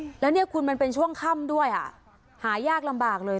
แล้วเนี่ยคุณมันเป็นช่วงค่ำด้วยอ่ะหายากลำบากเลย